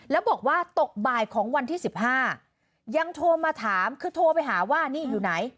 แล้วบอกว่าตกบ่ายของวันที่๑๕ยังโทรมาถามคือโทรไปหาว่านี่อยู่ไหน